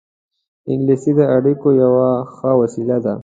انګلیسي د اړیکو یوه ښه وسیله ده